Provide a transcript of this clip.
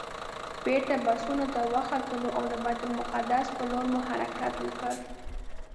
بېرته بسونو ته وختلو او د بیت المقدس پر لور مو حرکت وکړ.